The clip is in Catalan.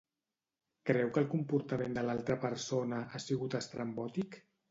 Creu que el comportament de l'altra persona ha sigut estrambòtic?